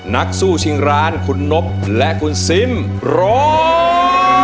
นักสู้ชิงร้านคุณนบและคุณซิมร้อง